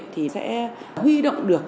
thì sẽ huy động được